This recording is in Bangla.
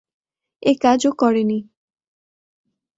একাজ ও করেনি।